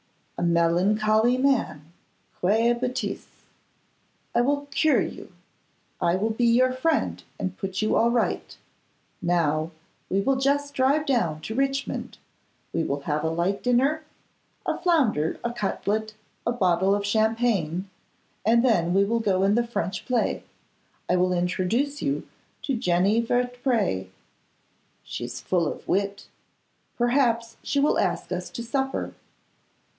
'A melancholy man! Quelle bêtise! I will cure you. I will be your friend and put you all right. Now, we will just drive down to Richmond; we will have a light dinner, a flounder, a cutlet, and a bottle of champagne, and then we will go to the French play. I will introduce you to Jenny Vertpré. She is full of wit; perhaps she will ask us to supper.